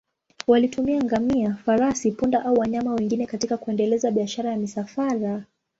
Walitumia ngamia, farasi, punda au wanyama wengine katika kuendeleza biashara ya misafara.